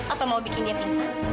atau mau bikin dia pingsan